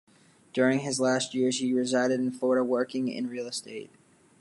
During his last years he resided in Florida, working in real estate.